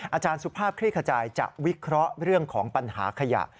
อาจารย์สุภาพคลี่ขจายจะวิเคราะห์เรื่องของปัญหาขยะ